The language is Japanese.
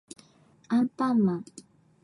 アンパンマン